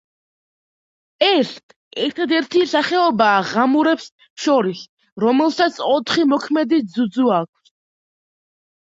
ეს ერთადერთი სახეობაა ღამურებს შორის, რომელსაც ოთხი მოქმედი ძუძუ აქვს.